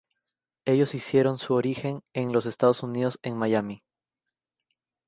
Ellos hicieron su origen en los Estados Unidos en Miami.